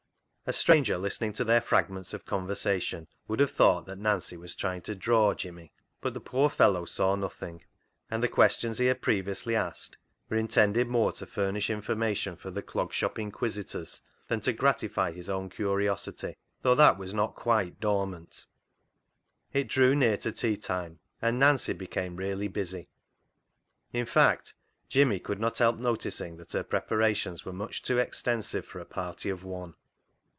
A stranger listening to their fragments of conversation would have thought that Nancy was trying to draw Jimmy, but the poor fellow saw nothing, and the questions he had pre viously asked were intended more to furnish information for the Clog Shop inquisitors than to gratify his own curiosity, though that was not quite dormant. It drew near to tea time, and Nancy became really busy ; in fact, Jimmy could not help noticing that her preparations were much too extensive for a party of one.